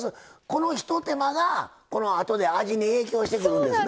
このひと手間がこのあとで味に影響してくるんですな。